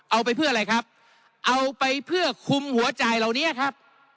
เอาไปเพื่ออะไรครับเอาไปเพื่อคุมหัวจ่ายเหล่านี้ครับ